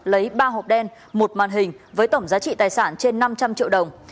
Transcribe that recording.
lấy ba hộp đen một màn hình với tổng giá trị tài sản trên năm trăm linh triệu đồng